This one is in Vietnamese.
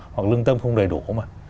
hoặc lương tâm không đầy đủ mà